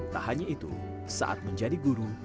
tak hanya itu saat menjadi guru